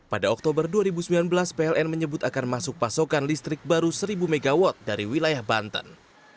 pada oktober dua ribu sembilan belas pln menyebut akan masuk pasokan listrik baru seribu mw dari wilayah banten